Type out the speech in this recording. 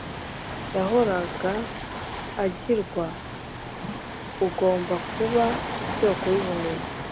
yahoraga agirwa, ugomba kuba isoko y’ubumenyi.